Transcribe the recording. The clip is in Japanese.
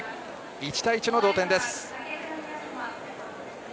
１対１の同点です。